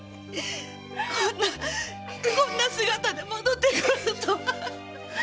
こんなこんな姿で戻ってくるとは！